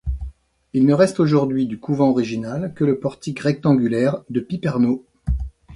Il ne reste aujourd'hui du couvent original que le portique rectangulaire de piperno.